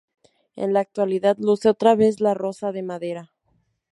En la actualidad, luce otra vez la rosa de madera.